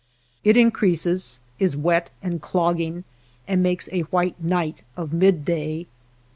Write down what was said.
It increases, is wet and clogging, and makes a white night of midday.